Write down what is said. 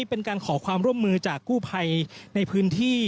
เป็นการขอความร่วมมือจากกู้ภัยในพื้นที่